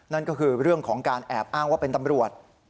นั่นก็คือเรื่องของการแอบอ้างว่าเป็นตำรวจ